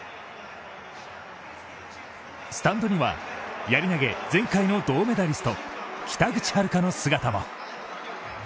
スタンドにはやり投、前回の銅メダリスト、北口榛花の姿も。